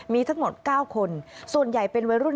มีทั้งหมด๙คนส่วนใหญ่เป็นวัยรุ่น